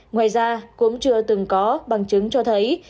ngoài ra cũng chưa từng có bằng chứng cho thấy